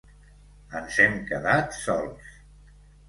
Ens hem quedat sols.